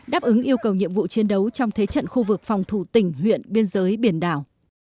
đáp ứng yêu cầu nhiệm vụ chiến đấu trong thế trận khu vực phòng thủ tỉnh huyện biên giới biển đảo